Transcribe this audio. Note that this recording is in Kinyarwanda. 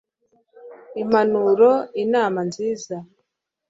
impanuro: inama nziza